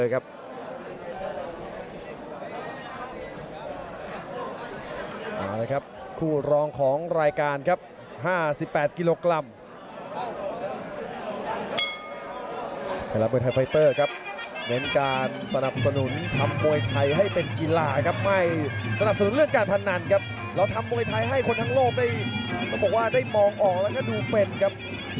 ก็ดูเป็นครับโอ้โหขวากับซ้ายครับดักแรงทั้งคู่ครับ